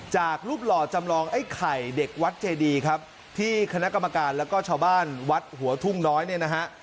จากรูปหล่อจำลองไอ้ไข่เด็กวัดเจดีครับที่คณะกรรมการแล้วก็ชาวบ้านวัดหัวทุ่งน้อยเนี่ยนะฮะ